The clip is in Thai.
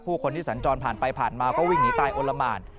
คนที่สัญจรผ่านไปผ่านมาก็วิ่งหนีตายโอละหมาน